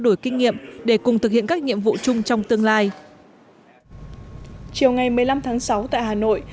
đổi kinh nghiệm để cùng thực hiện các nhiệm vụ chung trong tương lai chiều ngày một mươi năm tháng sáu tại hà nội